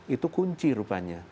itu kunci rupanya